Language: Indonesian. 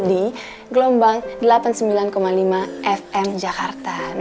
di gelombang delapan puluh sembilan lima fm jakarta